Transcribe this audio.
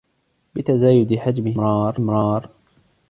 يتزايد حجمه باستمرار